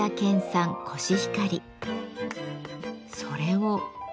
それを。